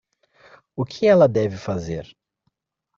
O que ela deve fazer?